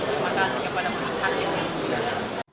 terima kasih kepada hakim yang berjalan